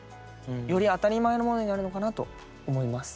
より当たり前のものになるのかなと思います。